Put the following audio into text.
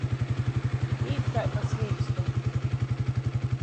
Īt kai pa svīkstu.